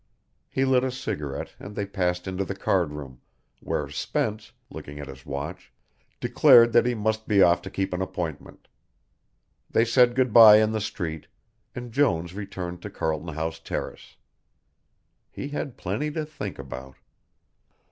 He lit a cigarette and they passed into the card room, where Spence, looking at his watch, declared that he must be off to keep an appointment. They said good bye in the street, and Jones returned to Carlton House Terrace. He had plenty to think about.